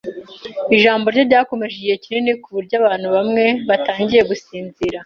Ijambo rye ryakomeje igihe kinini kuburyo abantu bamwe batangiye gusinzira.